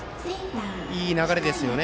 いい流れですよね。